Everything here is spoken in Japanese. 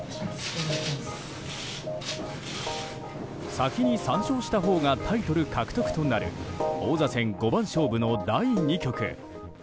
先に３勝したほうがタイトル獲得となる王座戦五番勝負の第２局。